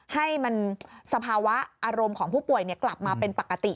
ให้มันสภาวะอารมณ์ของผู้ป่วยกลับมาเป็นปกติ